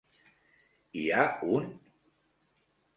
Hi ha un?